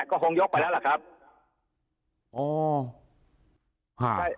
ก็คงยกไปแล้วล่ะครับ